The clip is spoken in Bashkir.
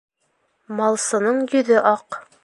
Малсының йөҙө аҡ.